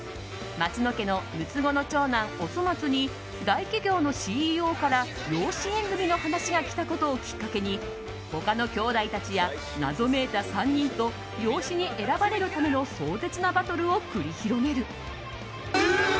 松野家の六つ子の長男おそ松に大企業のＣＥＯから養子縁組の話が来たことをきっかけに他の兄弟たちや謎めいた３人と養子に選ばれるための壮絶なバトルを繰り広げる。